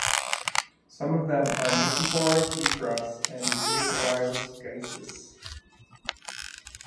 Some of them are Nikiphoros Lytras and Nicholaos Gysis.